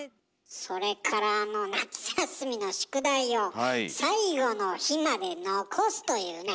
それからあの夏休みの宿題を最後の日まで残すというね。